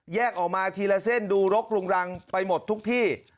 ออกมาทีละเส้นดูรกรุงรังไปหมดทุกที่